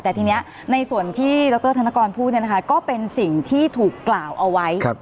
แต่ทีนี้ในส่วนที่ดรธนกรพูดก็เป็นสิ่งที่ถูกกล่าวเอาไว้